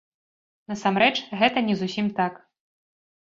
Насамрэч, гэта не зусім так.